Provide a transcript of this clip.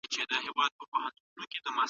ایا تاسي د خامک دوزۍ په اړه معلومات لرئ؟